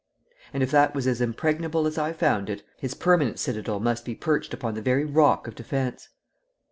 And if that was as impregnable as I found it, his permanent citadel must be perched upon the very rock of defence!"